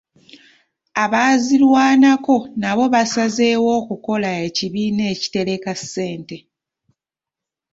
Abaazirwanako nabo baasazeewo okukola ekibiina ekitereka ssente.